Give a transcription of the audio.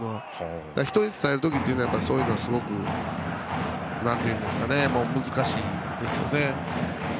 人に伝える時は、そういうのはすごく難しいですよね。